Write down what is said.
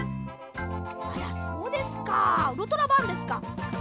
あらそうですかウルトラバンですか。